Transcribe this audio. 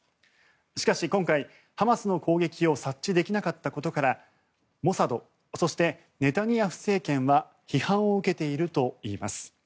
しかし今回、ハマスの攻撃を察知できなかったことからモサド、そしてネタニヤフ政権は批判を受けているといいます。